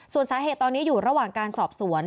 ส่วนสาเหตุตอนนี้อยู่ระหว่างการสอบสวน